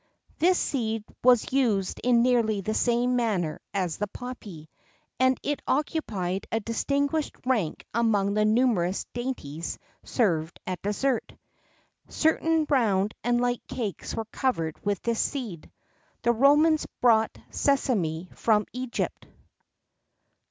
This seed was used in nearly the same manner as the poppy, and it occupied a distinguished rank among the numerous dainties served at dessert.[X 4] Certain round and light cakes were covered with this seed.[X 5] The Romans brought sesame from Egypt.